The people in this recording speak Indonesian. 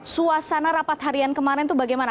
suasana rapat harian kemarin itu bagaimana